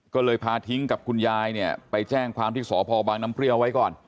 ก็เลยพาทิ้งกับคุณยายเนี่ยไปแจ้งความที่สพบางน้ำเปรี้ยวไว้ก่อน